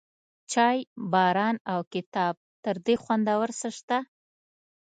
چای، باران، او کتاب، تر دې خوندور څه شته؟